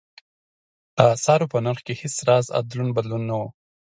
د اسعارو په نرخ کې هېڅ راز ادلون بدلون نه و.